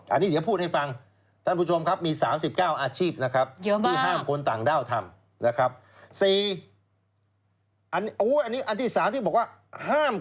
อันนี้อันที่๓ที่บอกว่า